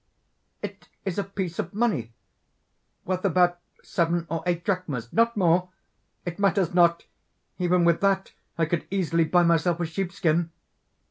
_) "It is a piece of money worth about seven or eight drachmas not more! It matters not! even with that I could easily buy myself a sheepskin."